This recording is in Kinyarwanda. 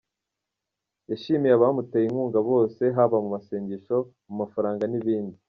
Yashimiye abamuteye inkunga bose haba mu masengesho, mu mafaranga n’ibindi.